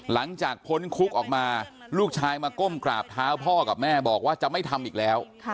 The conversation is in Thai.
พ้นคุกออกมาลูกชายมาก้มกราบเท้าพ่อกับแม่บอกว่าจะไม่ทำอีกแล้ว